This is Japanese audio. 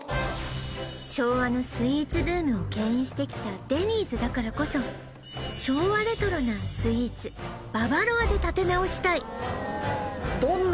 昭和のスイーツブームを牽引してきたデニーズだからこそ昭和レトロなスイーツババロアで立て直したい